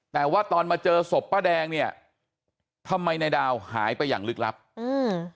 แต่ว่าตอนมาเจอศพป้าแดงเนี่ยทำไมนายดาวหายไปอย่างลึกลับอืม